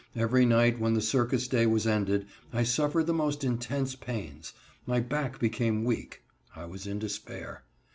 Every night when the circus day was ended, I suffered the most intense pains. My back became weak. I was in despair.